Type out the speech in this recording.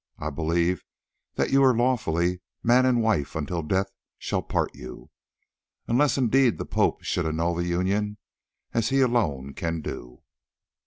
I believe that you are lawfully man and wife until death shall part you, unless indeed the Pope should annul the union, as he alone can do."